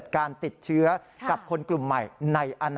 ตอนต่อไป